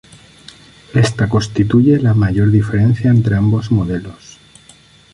Esta constituye la mayor diferencia entre ambos modelos.